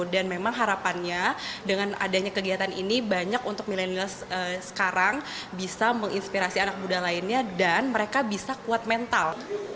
dan memang harapannya dengan adanya kegiatan ini banyak untuk milenial sekarang bisa menginspirasi anak muda lainnya dan mereka bisa kuat mental